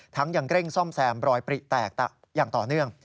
ยังเร่งซ่อมแซมรอยปริแตกอย่างต่อเนื่อง